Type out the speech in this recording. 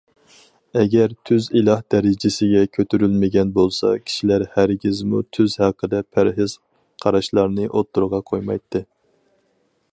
ئەگەر تۇز ئىلاھ دەرىجىسىگە كۆتۈرۈلمىگەن بولسا كىشىلەر ھەرگىزمۇ تۇز ھەققىدە پەرھىز قاراشلارنى ئوتتۇرىغا قويمايتتى.